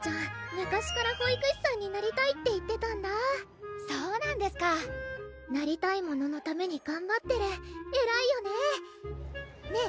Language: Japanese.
昔から保育士さんになりたいって言ってたんだそうなんですかなりたいもののためにがんばってるえらいよねねぇ